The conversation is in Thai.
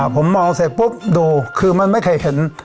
ผมมองเสร็จปุ๊บดูคือมันไม่เคยเห็น